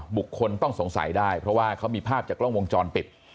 บุคคลต้องสงสัยได้เพราะว่าเขามีภาพจากกล้องวงจรปิด